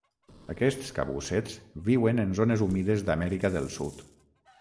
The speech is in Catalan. Aquests cabussets viuen en zones humides d'Amèrica del Sud.